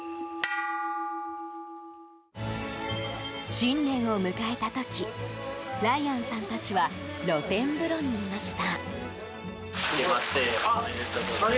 新年を迎えた時ライアンさんたちは露天風呂にいました。